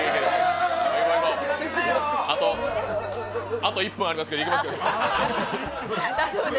あと１分ありますけどいけます？